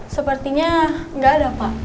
sepertinya enggak ada pak